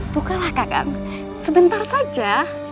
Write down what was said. bukalah kakang sebentar saja